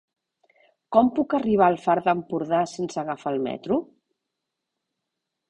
Com puc arribar al Far d'Empordà sense agafar el metro?